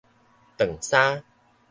搪衫